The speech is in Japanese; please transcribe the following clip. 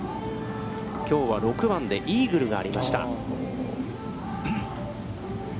きょうは６番でイーグルがありました。